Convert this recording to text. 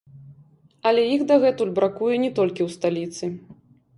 Але іх дагэтуль бракуе не толькі ў сталіцы.